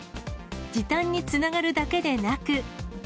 時短につながるだけでなく。